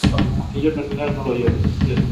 aquellos mercenarios no la oyeron.